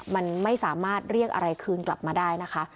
มันไม่สามารถเรียกอะไรคืนกลับมาได้นะคะ